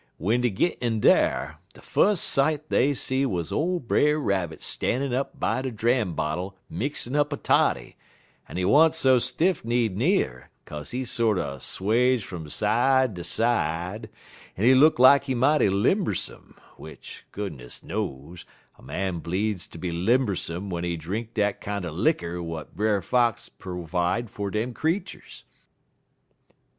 "W'en dey git in dar, de fus' sight dey see wuz ole Brer Rabbit stannin' up by de dram bottle mixin' up a toddy, en he wa'n't so stiff kneed n'er, kase he sorter swage fum side ter side, en he look lak he mighty limbersome, w'ich, goodness knows, a man bleedz ter be limbersome w'en he drink dat kinder licker w'at Brer Fox perwide fer dem creeturs.